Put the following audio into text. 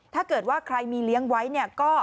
ถ้าเกิดว่าใครมีเลี้ยงไว้เนี่ยก็